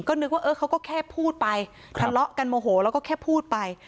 ก็นึกว่าเออเขาก็แค่พูดไปทะเลาะกันโมโหแล้วก็แค่พูดไป